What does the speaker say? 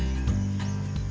ya bagus kagum gitu ya